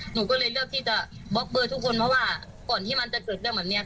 หนูก็เลยเลือกที่จะบล็อกเบอร์ทุกคนเพราะว่าก่อนที่มันจะเกิดเรื่องแบบนี้